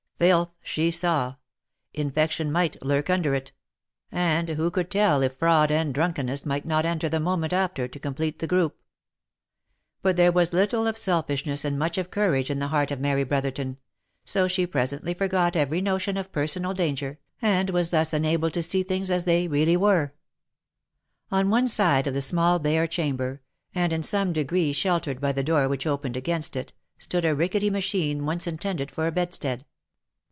Filth she saw; infection might lurk under it ; and sj^QruH^^ yj£ ■._//;},>//■, I OF MICHAEL ARMSTRONG. 127 who could tell if fraud and drunkenness might not enter the moment after, to complete the group ? But there was little of selfishness and much of courage in the heart of Mary Brotherton, so she presently forgot every notion of personal danger, and was thus enabled to see things as they really were. On one side of the small bare chamber, and in some degree shel tered by the door which opened against it, stood a rickety machine once intended for a bedstead.